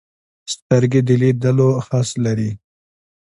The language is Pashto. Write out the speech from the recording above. سترګې د لیدلو حس لري